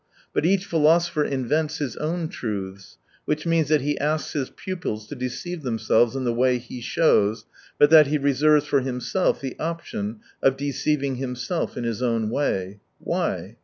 But each philosopher invents his own truths. Which means that he asks his pupils to deceive themselves in the way he shows, but that he reserves for himself the option of deceiving himself in his own way. Why